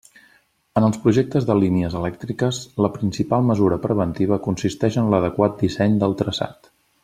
En els projectes de línies elèctriques, la principal mesura preventiva consisteix en l'adequat disseny del traçat.